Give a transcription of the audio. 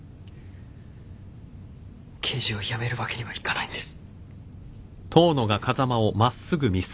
刑事を辞めるわけにはいかないんです。